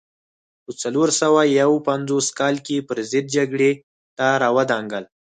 په څلور سوه یو پنځوس کال کې پرضد جګړې ته را ودانګل.